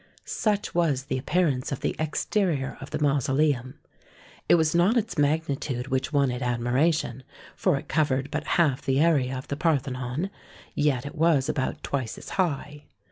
Such was the appearance of the exterior of the mausoleum. It was not its magnitude which won it admiration, for it covered but half the area of the Parthenon, yet it was about twice as high.